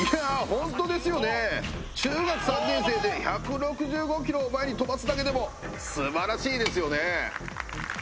ホントですよね中学３年生で１６５キロを前に飛ばすだけでも素晴らしいですよね